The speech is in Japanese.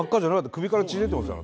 首から血出てますよ